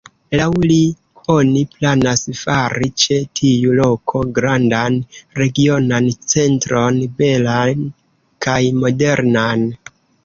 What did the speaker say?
Laŭ li, oni planas fari ĉe tiu loko grandan regionan centron, belan kaj modernan.